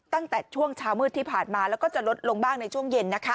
ตั้งแต่ช่วงเช้ามืดที่ผ่านมาแล้วก็จะลดลงบ้างในช่วงเย็นนะคะ